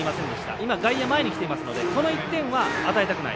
今は外野が前に来ているのでこの１点は、与えたくない。